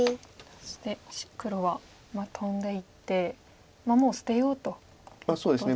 そして黒はトンでいってもう捨てようということですか。